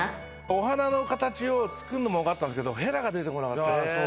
お花の形を作るのも分かったんですけど「ヘラ」が出てこなかった。